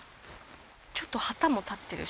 ちょっと旗も立ってるし。